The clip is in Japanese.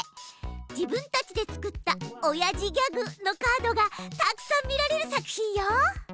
自分たちで作ったおやじギャグのカードがたくさん見られる作品よ。